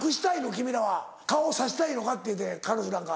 君らは顔をさしたいのかって彼女なんか。